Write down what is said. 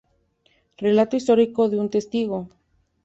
Relato histórico de un testigo.